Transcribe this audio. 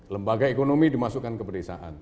lembaga ekonomi dimasukkan ke pedesaan